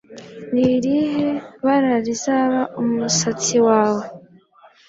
ni irihe bara rizaba umusatsi wawe